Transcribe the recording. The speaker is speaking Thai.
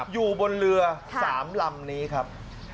อยู่บนเรือ๓ลำนี้ครับ